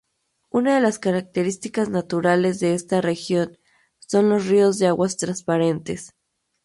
Una de las características naturales de esta región son los ríos de aguas transparentes.